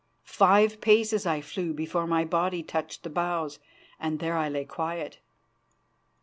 Five paces I flew before my body touched the boughs, and there I lay quiet.